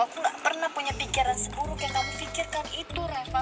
aku gak pernah punya pikiran seburuk yang kamu pikirkan itu reva